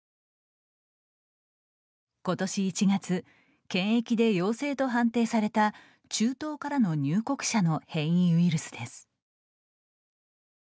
ことし１月、検疫で陽性と判定された中東からの入国者の変異ウイルスです。